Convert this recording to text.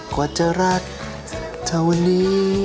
กว่าจะรักเท่านี้